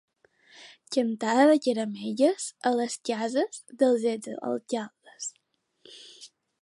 Cantada de caramelles a les cases dels exalcaldes.